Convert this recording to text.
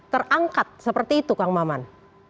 terangkat seperti itu kang maman